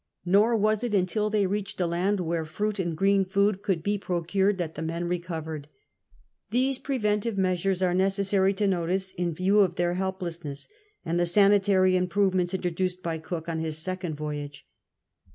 Nor was it until they reached a land where fmit and green food could be procured that the men recovered. These pi'evcntive measures are necessary to notice in view of their helplessness and the sanitary improvements introduced by Cook on his second voyage.